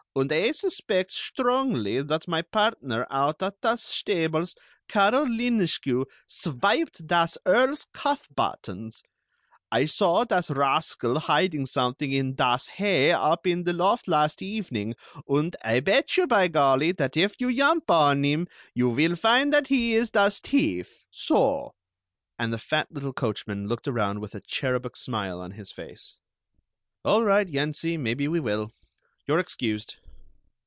Und Ay suspect strongly that my partner out at das stables, Carol Linescu, sviped das Earl's cuff buttons. Ay saw das rascal hiding someding in das hay up in the loft last evening, und Ay bet you, by Golly, that if you yump on him, you vill find that he is das tief. So!" And the fat little coachman looked around with a cherubic smile on his face. "All right, Yensie, maybe we will. You're excused.